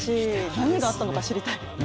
何があったのか知りたい。